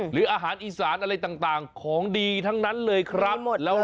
หรืออาหารอีสานอะไรต่างของดีทั้งนั้นเลยครับ